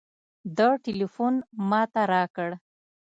ده ټېلفون ما ته راکړ.